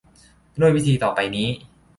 ด้วยวิธีต่อไปนี้